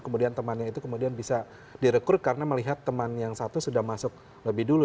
kemudian temannya itu kemudian bisa direkrut karena melihat teman yang satu sudah masuk lebih dulu